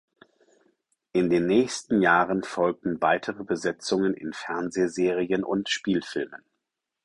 In den nächsten Jahren folgten weitere Besetzungen in Fernsehserien und Spielfilmen.